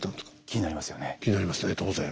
気になりますね当然。